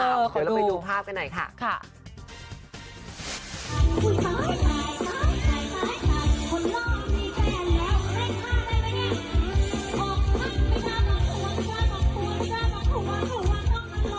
หรือเปล่าเอ่อเดี๋ยวเราไปดูภาพกันหน่อยค่ะค่ะ